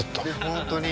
本当に。